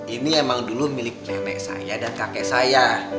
ini emang dulu milik nenek saya dan kakek saya